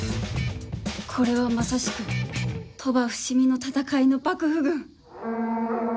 これはまさしく鳥羽・伏見の戦いの幕府軍。